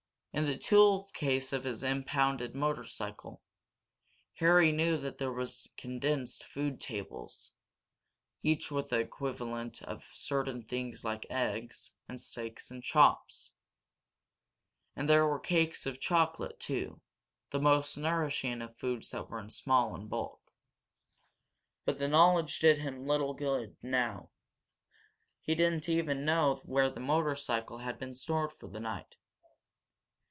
In the tool case on his impounded motorcycle, Harry knew there were condensed food tables each the equivalent of certain things like eggs, and steaks and chops. And there were cakes of chocolate, too, the most nourishing of foods that were small in bulk. But the knowledge did him little good now. He didn't even know where the motorcycle had been stored for the night.